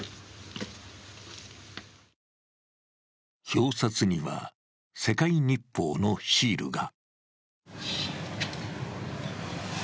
表札には「世界日報」のシールが。